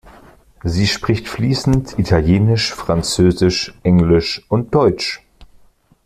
Sie spricht fließend Italienisch, Französisch, Englisch und Deutsch.